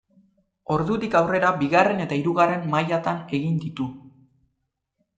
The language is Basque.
Ordutik aurrera bigarren eta hirugarren mailatan egin ditu.